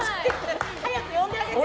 早く呼んであげて！